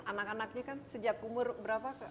anak anaknya kan sejak umur berapa